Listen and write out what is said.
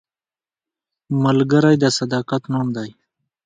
ملګری د صداقت نوم دی